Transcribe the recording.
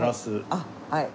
あっ。